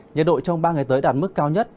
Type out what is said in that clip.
nhiệt độ trong ba ngày tới đạt mức cao nhất